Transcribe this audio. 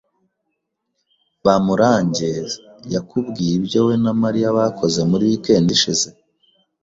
Bamurange syakubwiye ibyo we na Mariya bakoze muri weekend ishize?